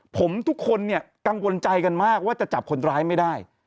ผมทุกคนเนี่ยกังวลใจกันมากว่าจะจับคนร้ายไม่ได้